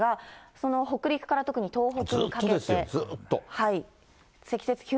その北陸から特に東北にかけて。